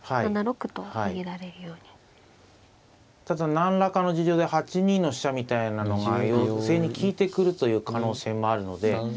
ただ何らかの事情で８二の飛車みたいなのが寄せに利いてくるという可能性もあるので。